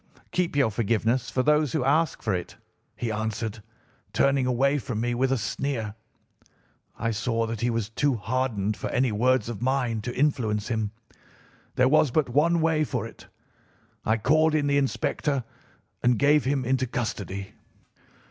"'Keep your forgiveness for those who ask for it,' he answered, turning away from me with a sneer. I saw that he was too hardened for any words of mine to influence him. There was but one way for it. I called in the inspector and gave him into custody.